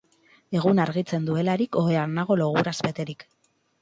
Eguna argitzen duelarik, ohean nago loguraz beterik.